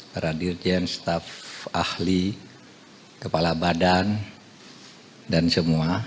para dirjen staf ahli kepala badan dan semua